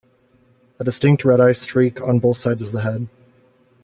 A distinct red eye streak on both sides of the head.